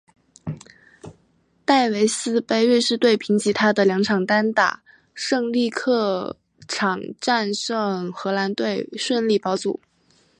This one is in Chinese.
戴维斯杯瑞士队凭藉他的两场单打胜利客场战胜荷兰队顺利保组。